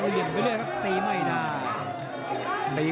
ลำนี้คือกับวัดกัน